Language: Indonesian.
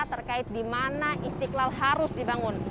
terkait di mana istiqlal harus dibangun